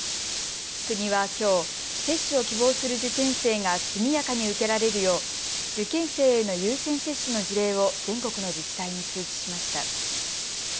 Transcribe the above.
国はきょう、接種を希望する受験生が速やかに受けられるよう受験生への優先接種の事例を全国の自治体に通知しました。